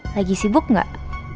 lagi sibuk gak